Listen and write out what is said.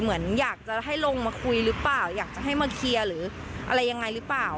เหมือนอยากจะให้ลงมาคุยหรือเปล่าอยากจะให้มาเคลียร์หรืออะไรยังไงหรือเปล่า